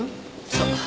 そう。